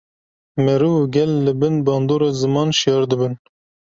meriv û gel li bin bandora ziman şiyar dibin